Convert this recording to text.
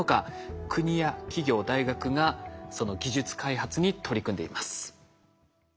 国や企業大学がその技術開発に取り組んでいます。